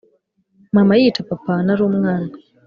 mama yica papa, narumwana